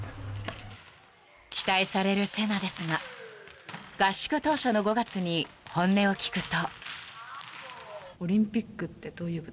［期待されるセナですが合宿当初の５月に本音を聞くと］